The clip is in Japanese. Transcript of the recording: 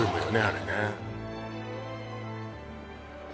あれね